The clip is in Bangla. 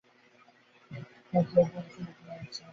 এক লোক পুকুরে গোসল করতে নেমেছে।